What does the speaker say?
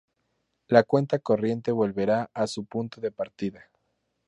La cuenta corriente volverá a su punto de partida.